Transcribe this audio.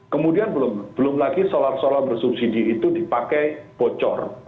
kemudian belum lagi solar solar bersubsidi itu dipakai bocor